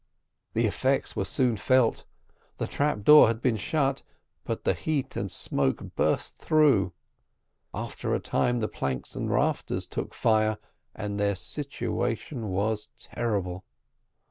The effects were soon felt. The trap door had been shut, but the heat and smoke burst through; after a time, the planks and rafters took fire, and their situation was terrible.